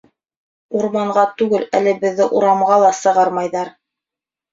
Урманға түгел, әле беҙҙе урамға ла сығармайҙар.